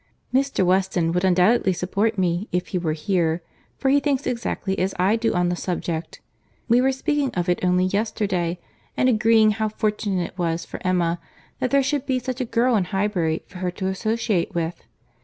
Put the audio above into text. "Mr. Weston would undoubtedly support me, if he were here, for he thinks exactly as I do on the subject. We were speaking of it only yesterday, and agreeing how fortunate it was for Emma, that there should be such a girl in Highbury for her to associate with.